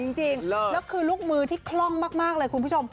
จริงแล้วคือลูกมือที่คล่องมากเลยคุณผู้ชม